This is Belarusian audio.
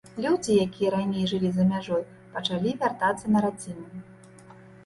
Людзі, якія раней жылі за мяжой, пачалі вяртацца на радзіму.